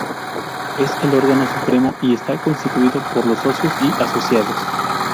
Es el órgano supremo y está constituido por los Socios y Asociados.